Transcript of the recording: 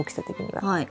はい。